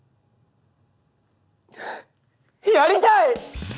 やりたい！